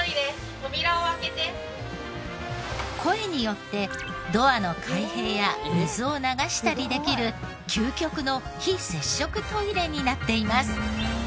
声によってドアの開閉や水を流したりできる究極の非接触トイレになっています。